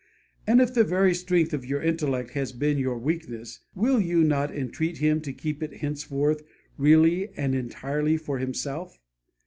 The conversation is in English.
And if the very strength of your intellect has been your weakness, will you not entreat Him to keep it henceforth really and entirely for Himself?